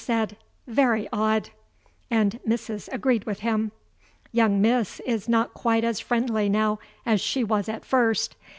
said: "Very odd;" and Mrs. agreed with him. Young Miss is not quite as friendly now as she was at first.